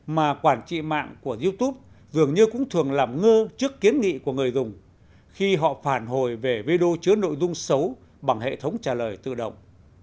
mà quản trị mạng của youtube dường như cũng thường làm ngơ trước kiến nghị của người dùng khi họ phản hồi về video chứa nội dung xấu bằng hệ thống trả lời tự động